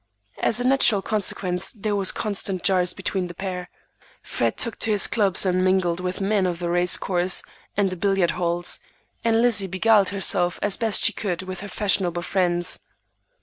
As a natural consequence there were constant jars between the pair. Fred took to his clubs and mingled with men of the race course and the billiard halls, and Lizzie beguiled herself as best she could with her fashionable friends.